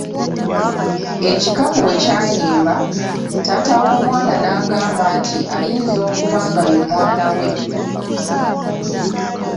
Ekikapu bwe kyayimba, taata w’omwana nagamba nti ayinza okuba nga ye mwana we.